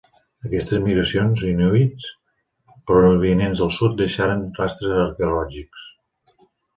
Aquestes migracions inuits provinents del sud deixaren rastres arqueològics.